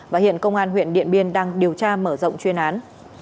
và hiện công an huyện điện biên đang điều tra mở rộng chuyên án